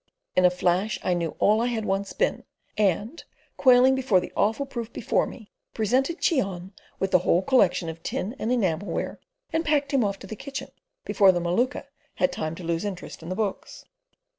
In a flash I knew all I had once been, and quailing before the awful proof before me, presented Cheon with the whole collection of tin and enamel ware, and packed him off to the kitchen before the Maluka had time to lose interest in the books.